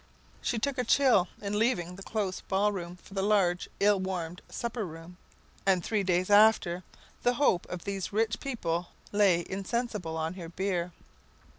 She took a chill in leaving the close ballroom for the large, ill warmed supper room, and three days after, the hope of these rich people lay insensible on her bier.